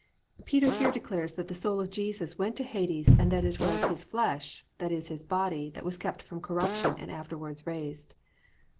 "+ Peter here declares that the soul of Jesus went to Hades and that it was "His flesh," i.e., His body, that was kept from corruption and afterwards raised.